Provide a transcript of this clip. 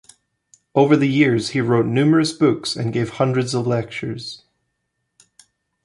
Over the years he wrote numerous books and gave hundreds of lectures.